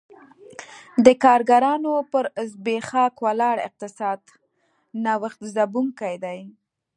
د کارګرانو پر زبېښاک ولاړ اقتصاد نوښت ځپونکی دی